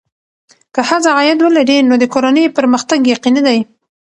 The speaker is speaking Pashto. که ښځه عاید ولري، نو د کورنۍ پرمختګ یقیني دی.